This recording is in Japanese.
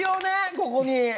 ここに。